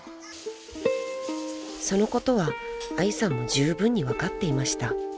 ［そのことは愛さんもじゅうぶんに分かっていました］